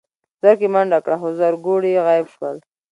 زرکې منډه کړه خو زرکوړي غيب شول.